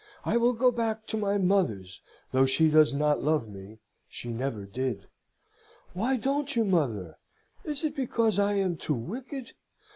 I will go back to my mother's though she does not love me. She never did. Why don't you, mother? Is it because I am too wicked?